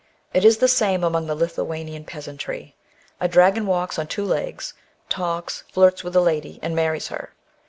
It is the same among the Lithuanian peasantry. A dragon walks on two legs, talks, flirts with a lady, and marries her.